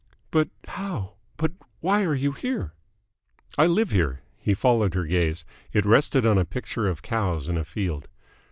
"But how but why are you here?" "I live here." He followed her gaze. It rested on a picture of cows in a field.